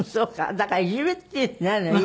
だからいじめっていうのはないのね。